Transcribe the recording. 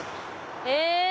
へぇ！